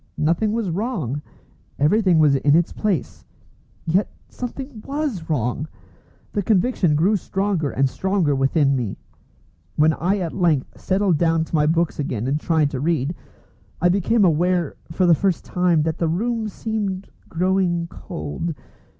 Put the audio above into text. Nothing was wrong; everything was in its place. Yet something was wrong! The conviction grew stronger and stronger within me. When I at length settled down to my books again and tried to read, I became aware, for the first time, that the room seemed growing cold.